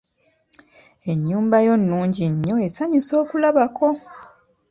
Ennyumba yo nnungi nnyo esanyusa okulabako.